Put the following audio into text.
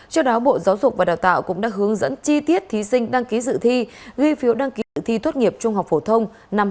trong đó bộ giáo dục và đào tạo cũng đã hướng dẫn chi tiết thí sinh đăng ký sự thi ghi phiếu đăng ký sự thi tốt nghiệp trung học phổ thông năm hai nghìn hai mươi bốn